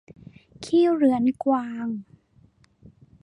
ขี้เรื้อนกวาง